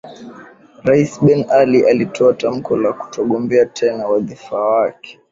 rais ben ali alitoa tamko la kutogombea tena wadhifa wake